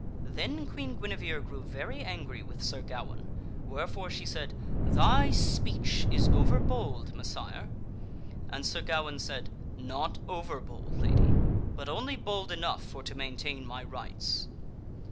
Then Queen Guinevere grew very angry with Sir Gawaine, wherefore she said, " Thy speech is over bold, Messire," and Sir Gawaine said, " Not over bold, Lady ; but only bold enough for to maintain my rights."